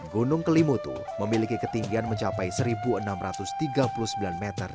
gunung kelimutu memiliki ketinggian mencapai satu enam ratus tiga puluh sembilan meter